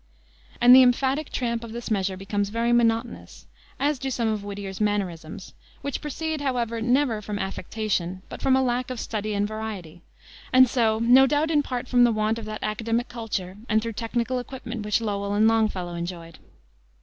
and the emphatic tramp of this measure becomes very monotonous, as do some of Whittier's mannerisms; which proceed, however, never from affectation, but from a lack of study and variety, and so, no doubt, in part from the want of that academic culture and thorough technical equipment which Lowell and Longfellow enjoyed.